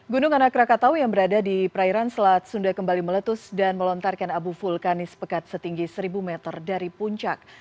gunung anak rakatau yang berada di perairan selat sunda kembali meletus dan melontarkan abu vulkanis pekat setinggi seribu meter dari puncak